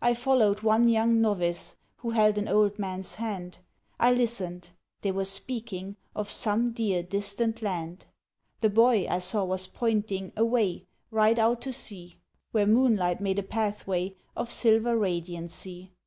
I followed one young novice, Who held an old man's hand; I listened,—they were speaking, Of some dear, distant Land. The boy I saw was pointing Away, right out to sea, Where moonlight made a pathway, Of silver radiancy.